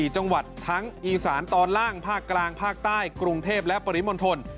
๔จังหวัดทั้งอีสานตอนล่างภาคกลางภาคใต้กรุงเทพและปริมณฑล